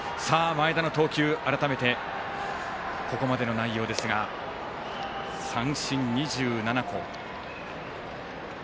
前田の投球改めてここまでの内容ですが三振２７個。